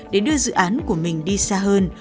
để đưa dự án của mình đi xa hơn